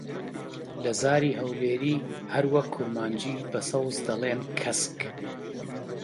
لە زاری هەولێری، هەروەک کورمانجی، بە سەوز دەڵێن کەسک.